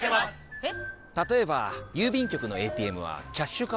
えっ⁉